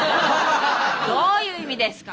どういう意味ですか？